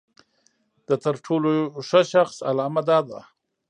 د تر ټولو ښه شخص علامه دا ده.